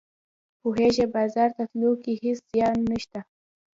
پوهیږې بازار ته تلو کې هیڅ زیان نشته